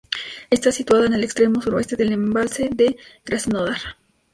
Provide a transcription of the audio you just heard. Está situada en el extremo suroeste del embalse de Krasnodar.